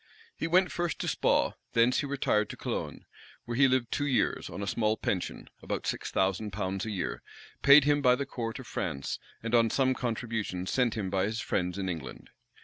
He went first to Spaw, thence he retired to Cologne; where he lived two years, on a small pension, about six thousand pounds a year, paid him by the court of France, and on some contributions sent him by his friends in England.